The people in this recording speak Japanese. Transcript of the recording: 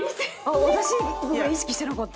私意識してなかった。